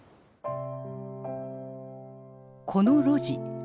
この露地。